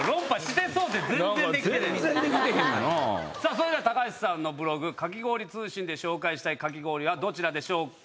それでは高橋さんのブログ「かき氷通信」で紹介したいかき氷はどちらでしょうか？